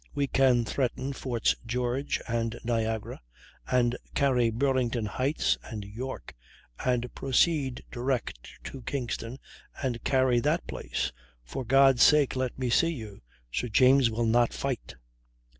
We can threaten Forts George and Niagara, and carry Burlington Heights and York, and proceed direct to Kingston and carry that place. For God's sake let me see you: Sir James will not fight."